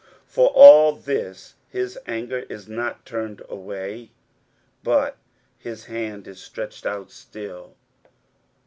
For all this his anger is not turned away, but his hand is stretched out still.